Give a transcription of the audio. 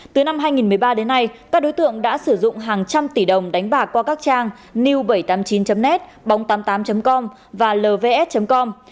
từ năm hai nghìn một mươi ba đến nay các đối tượng đã sử dụng hàng trăm tỷ đồng đánh bạc qua các trang new bảy trăm tám mươi chín net bóng tám mươi tám com và lvs com